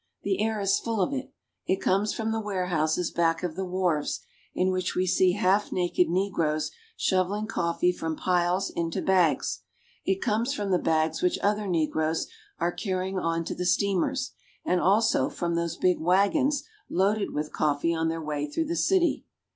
The air is full of it. It comes from the warehouses back of the wharves, in which we see half naked negroes shoveling coffee from piles into bags. It comes from the bags which other negroes are carrying on to the steamers, and also from those big wagons loaded with coffee on their way through the city.